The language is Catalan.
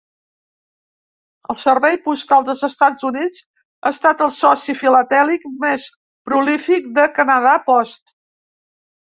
El Servei Postal dels Estats Units ha estat el soci filatèlic més prolífic de Canada Post.